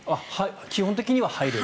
基本的には入れる。